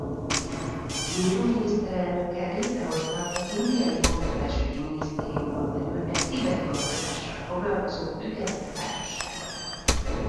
Nehru miniszterelnökkel létrehoztak az indiai oktatásügyi minisztériumon belül egy tibeti oktatással foglalkozó független társaságot.